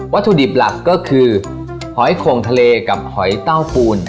ถุดิบหลักก็คือหอยโข่งทะเลกับหอยเต้าปูน